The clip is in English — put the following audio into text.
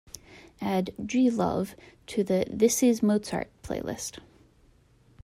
Add g love to the This Is Mozart playlist.